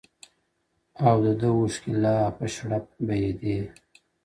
او دده اوښكي لا په شړپ بهيدې ـ